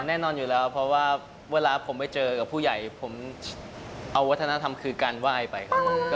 แน่นอนอยู่แล้วเพราะว่าเวลาผมไปเจอกับผู้ใหญ่ผมเอาวัฒนธรรมคือการไหว้ไปครับ